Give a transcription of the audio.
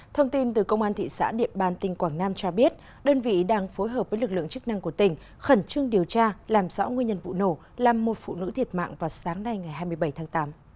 thông tin từ công an thị xã điện bàn tỉnh quảng nam cho biết đơn vị đang phối hợp với lực lượng chức năng của tỉnh khẩn trương điều tra làm rõ nguyên nhân vụ nổ làm một phụ nữ thiệt mạng vào sáng nay ngày hai mươi bảy tháng tám